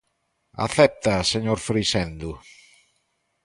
¿Acepta, señor Freixendo?